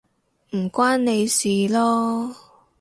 唔關你事囉